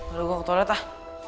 aduh gua ke toilet ah